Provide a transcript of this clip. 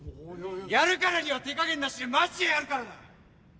やるからには手加減なしでマジでやるからな！